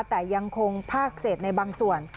แต่ยังคงภาคเศษในบางส่วน